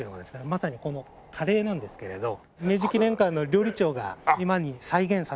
まさにこのカレーなんですけれど明治記念館の料理長が今に再現させてみるといった。